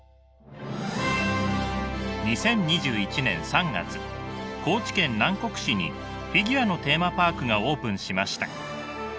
２０２１年３月高知県南国市にフィギュアのテーマパークがオープンしました。